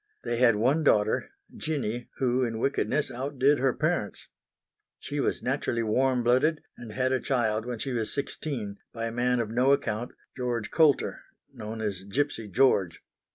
They had one daughter, Jinny, who in wickedness outdid her parents. She was naturally warm blooded and had a child when she was sixteen by a man of no account, George Coulter, known as Gipsy George.